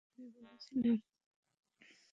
সন্ধ্যার মধ্যে ফিরবে বলেছিলে।